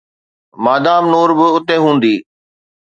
Madam Noor به اتي هوندي.